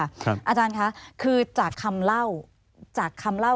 อาจารย์ค่ะคือจากคำเล่า